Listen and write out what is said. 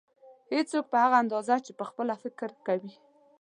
هېڅوک په هغه اندازه چې پخپله فکر کوي.